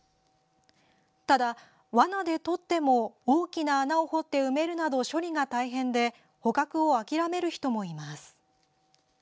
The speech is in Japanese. ただ、罠でとっても大きな穴を掘って埋めるなど処理が大変で捕獲を諦める人もいます。